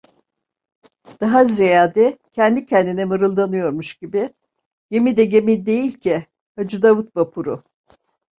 Daha ziyade kendi kendine mınldanıyormuş gibi: "Gemi de gemi değil ki… Hacı Davut vapuru…"